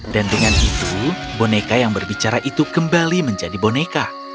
dan dengan itu boneka yang berbicara itu kembali menjadi boneka